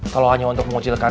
kalau hanya untuk mengucilkan